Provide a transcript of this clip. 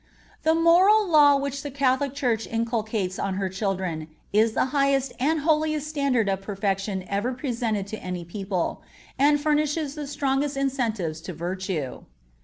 (36) The moral law which the Catholic Church inculcates on her children is the highest and holiest standard of perfection ever presented to any people, and furnishes the strongest incentives to virtue.